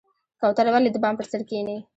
کوتره ولې د بام پر سر کیني؟